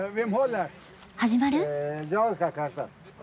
始まる？